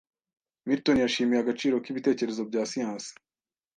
Milton yashimye agaciro k'ibitekerezo bya siyansi